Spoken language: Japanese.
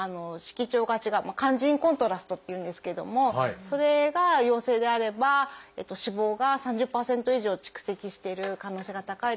「肝腎コントラスト」っていうんですけどもそれが陽性であれば脂肪が３０％以上蓄積している可能性が高いということになります。